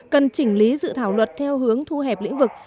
cần chỉnh lý dự thảo luật theo hướng thu hẹp lĩnh vực